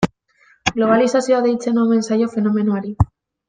Globalizazioa deitzen omen zaio fenomenoari.